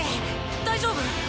大丈夫？